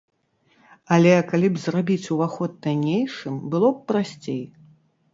Але калі б зрабіць уваход таннейшым, было б прасцей.